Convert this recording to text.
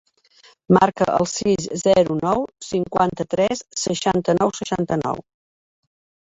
Marca el sis, zero, nou, cinquanta-tres, seixanta-nou, seixanta-nou.